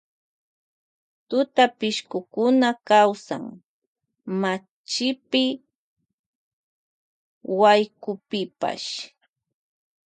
Tutapishkukuna kawsan machipi waykupipash.